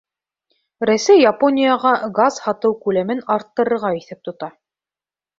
Рәсәй Японияға газ һатыу күләмен арттырырға иҫәп тота.